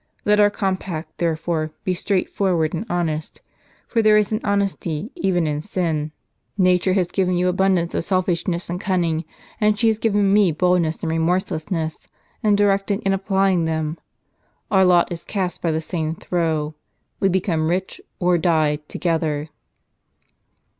Let our compact, therefore, be straight forward and honest, for there is an honesty even in sin. JSTat ure has given you abundance of selfishness and cunning, and she has given me boldness and remorselessness in direct ing and applying them. Our lot is cast by the same throw, — we become rich, or die, together."